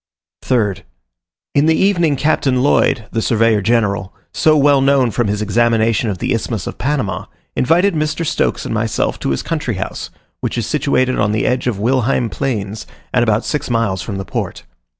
3rd. In the evening Captain Lloyd, the Surveyor general, so well known from his examination of the Isthmus of Panama, invited Mr. Stokes and myself to his country house, which is situated on the edge of Wilheim Plains, and about six miles from the Port.